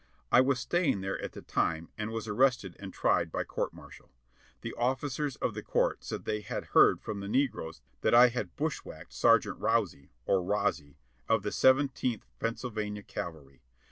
I was staj'ing there at the time, and was arrested and tried by court martial. The officers of the court said they had heard from the negroes that I had bushwhacked Sergeant Rowzie, or Rouzie, of the Seventeenth Pennsylvania Cavalry.